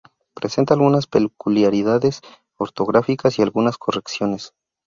Presenta algunas peculiaridades ortográficas y algunas correcciones.